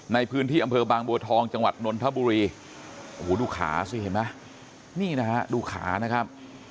ในพื้นที่อำเภอบางบัวทองจังหวัดนนทบุรีโอ้โหดูขาสิเห็นไหมนี่นะฮะดูขานะครับ